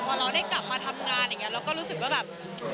พอเราได้กลับมาทำงานอย่างนี้เราก็รู้สึกว่าแบบ